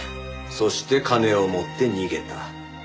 そして金を持って逃げた。